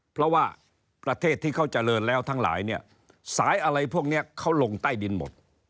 เพราะว่าประเทศที่เขาเจริญแล้วทั้งหลายเนี่ยสายอะไรพวกนี้เขาลงใต้ดินหมด